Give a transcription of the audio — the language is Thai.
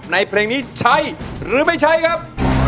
เพลงนี้ใช้หรือไม่ใช้ครับ